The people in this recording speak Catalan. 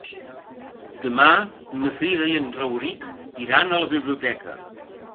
Demà na Frida i en Rauric iran a la biblioteca.